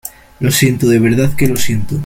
lo siento, de verdad que lo siento.